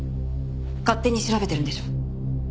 勝手に調べてるんでしょ？